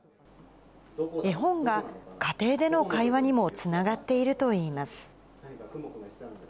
絵本が家庭での会話にもつながっているといいます。